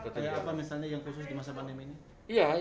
tapi apa yang khusus di masa pandemi ini